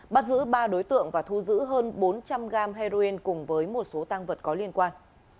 bắt giữ ba đối tượng và thu giữ hơn bốn trăm linh gram heroin cùng với một số tăng vật có liên quan